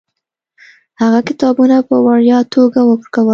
هغه کتابونه په وړیا توګه ورکول.